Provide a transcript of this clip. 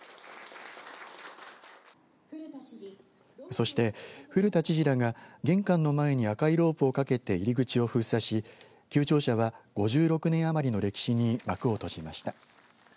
そして古田知事らが玄関の前に赤いロープをかけて入り口を封鎖し旧庁舎は５６年余りの歴史に幕を閉じました。